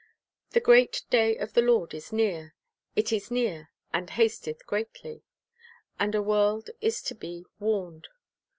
"The great day of the Lord is near, it is near, and hasteth greatly." 1 And a world is to be warned.